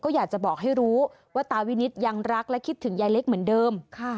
อยากจะบอกให้รู้ว่าตาวินิตยังรักและคิดถึงยายเล็กเหมือนเดิม